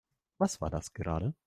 Was war das gerade?